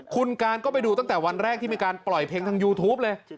คุณการก็ไปดูตั้งแต่วันแรกที่มีการปล่อยเพลงทางยูทูปเลย